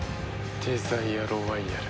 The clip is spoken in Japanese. デザイアロワイヤル。